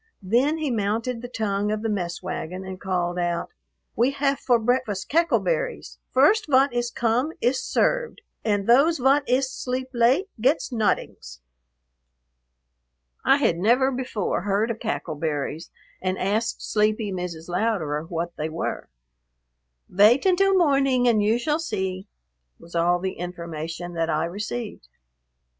Then he mounted the tongue of the mess wagon and called out, "We haf for breakfast cackle berries, first vot iss come iss served, und those vot iss sleep late gets nodings." I had never before heard of cackle berries and asked sleepy Mrs. Louderer what they were. "Vait until morning and you shall see," was all the information that I received.